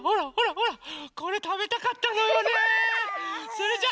それじゃ。